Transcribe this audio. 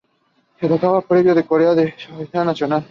Este tratado privó a Corea de su soberanía nacional.